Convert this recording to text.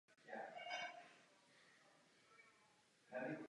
Musíte přestat neustále podceňovat společnou zemědělskou politiku.